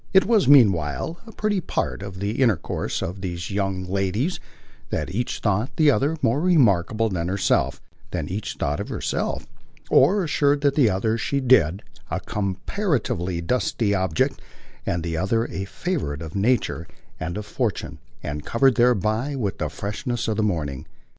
It was meanwhile a pretty part of the intercourse of these young ladies that each thought the other more remarkable than herself that each thought herself, or assured the other she did, a comparatively dusty object and the other a favourite of nature and of fortune and covered thereby with the freshness of the morning.